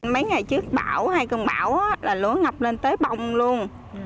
mấy ngày trước bão hay con bão là lúa ngập lên tới bồng luôn